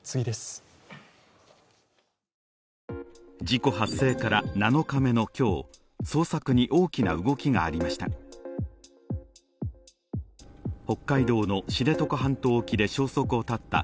事故発生から７日目の今日捜索に大きな動きがありました。